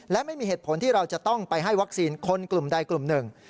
และไม่มีเหตุผลที่เราจะต้องไปให้วัคซีนคนกลุ่มใดกลุ่มหนึ่ง